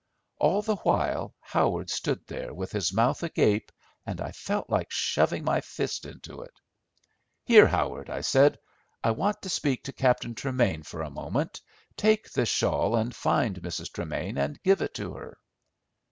All the while Howard stood there with his mouth agape, and I felt like shoving my fist into it. "Here, Howard," I said, "I want to speak to Captain Tremain for a moment. Take this shawl and find Mrs. Tremain, and give it to her."